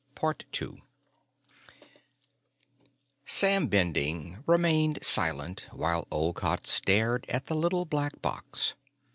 Sam Bending remained silent while Olcott stared at the little black box.